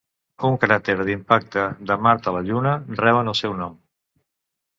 Un cràter d'impacte de Mart i la Lluna reben el seu nom.